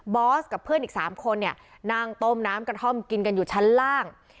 อสกับเพื่อนอีก๓คนเนี่ยนั่งต้มน้ำกระท่อมกินกันอยู่ชั้นล่าง